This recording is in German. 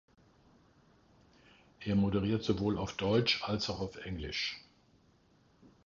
Er moderiert sowohl auf Deutsch als auch auf Englisch.